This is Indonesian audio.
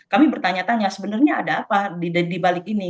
kami bertanya tanya sebenarnya ada apa dibalik ini